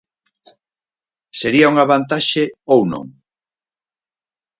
Sería unha vantaxe ou non?